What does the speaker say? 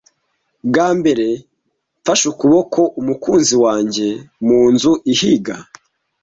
Bwa mbere mfashe ukuboko umukunzi wanjye mu nzu ihiga.